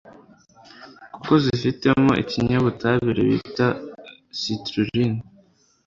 kuko zifitemo ikinyabutabire bita citrulline